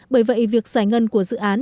bởi vậy việc giải ngân của dự án